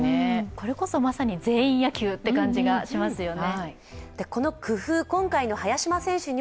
これこそまさに全員野球って感じがしますよね。